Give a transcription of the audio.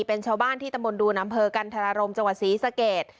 เป็นชาวบ้านที่ตำบลดูนอำเภอกันธรรมจังหวัดศรีสะเกด